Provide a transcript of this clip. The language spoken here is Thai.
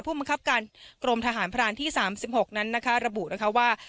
ผู้บังคับการกรมทหารพรานที่สามสิบหกนั้นนะคะระบุนะคะว่า